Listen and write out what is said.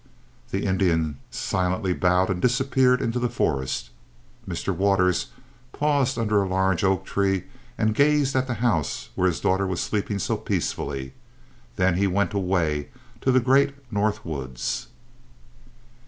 The Indian silently bowed and disappeared into the forest. Mr. Waters paused under a large oak tree and gazed at the house where his daughter was sleeping so peacefully; then he went away to the great north woods.